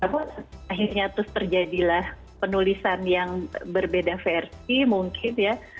tapi akhirnya terus terjadilah penulisan yang berbeda versi mungkin ya